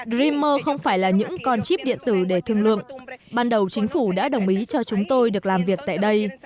dreamer không phải là những con chip điện tử để thương lượng ban đầu chính phủ đã đồng ý cho chúng tôi được làm việc tại đây